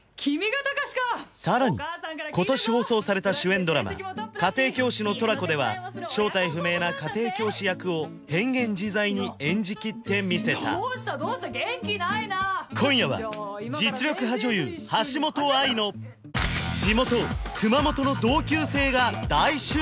さらに今年放送された主演ドラマ「家庭教師のトラコ」では正体不明な家庭教師役を変幻自在に演じきってみせた今夜は実力派女優橋本愛のはあ！？え！？